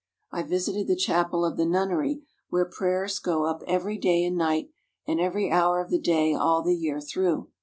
I visited the chapel of the nunnery, where prayers go up every day and night and every hour of the day all the year through.